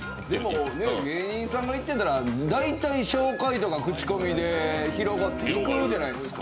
芸人さんが行ってたら、大体紹介とか口コミで行くじゃないですか。